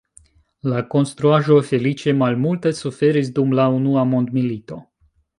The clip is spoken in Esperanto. La konstruaĵo feliĉe malmulte suferis dum la Unua Mondmilito.